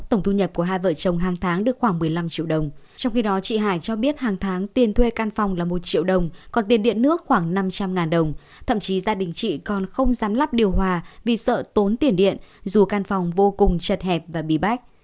tổng thu nhập của hai vợ chồng hàng tháng được khoảng một mươi năm triệu đồng trong khi đó chị hải cho biết hàng tháng tiền thuê căn phòng là một triệu đồng còn tiền điện nước khoảng năm trăm linh đồng thậm chí gia đình chị còn không dám lắp điều hòa vì sợ tốn tiền điện dù căn phòng vô cùng chật hẹp và bị bách